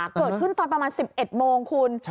เกิดขึ้นตอนประมาณ๑๑โมงคุณ